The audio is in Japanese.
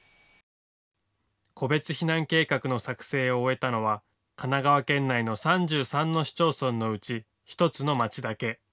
個別避難計画の作成を終えたのは神奈川県内の３３の市町村のうち１つの町だけ。